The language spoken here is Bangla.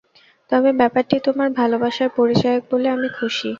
তবে ব্যাপারটি তোমার ভালবাসার পরিচায়ক বলে আমি খুশী।